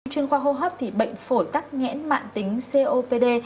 chuyên khoa hô hấp thì bệnh phổi tắc nghẽn mạng tính copd